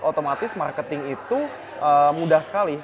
otomatis marketing itu mudah sekali